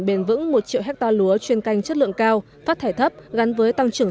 bền vững một triệu hectare lúa chuyên canh chất lượng cao phát thải thấp gắn với tăng trưởng